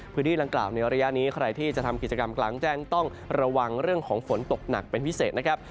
พื้นที่ดังกล่าวในระยะนี้ใครที่จะทำกิจกรรมกลางแจ้งต้องระวังเรื่องของฝนตกหนักเป็นพิเศษนะครับ